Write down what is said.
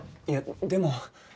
いやでも。